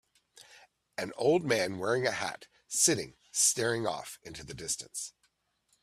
an old man wearing a hat sitting staring off into the distance